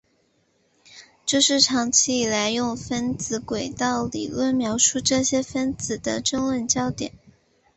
这是长期以来用分子轨道理论描述这些分子的争论焦点。